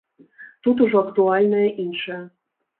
Тут ужо актуальнае іншае.